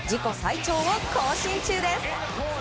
自己最長を更新中です。